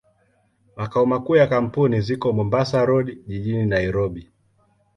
Makao makuu ya kampuni ziko Mombasa Road, jijini Nairobi.